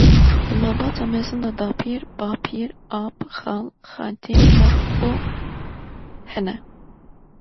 Di malbata mezin de dapîr, babîr, ap, xal, xaltîk, met û hene.